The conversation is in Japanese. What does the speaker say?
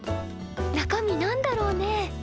中身何だろうね？